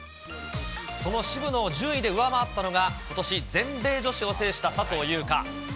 その渋野を順位で上回ったのが、ことし全米女子を制した笹生優花。